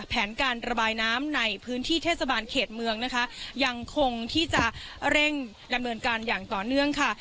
แผนการระบายน้ำในพื้นที่เทศบาลเขตเมืองนะคะยังคงที่จะเร่งดำเนินการอย่างต่อเนื่องค่ะ